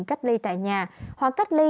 cách ly tại nhà hoặc cách ly